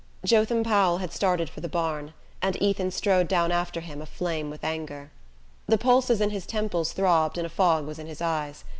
Jotham Powell had started for the barn, and Ethan strode down after him aflame with anger. The pulses in his temples throbbed and a fog was in his eyes.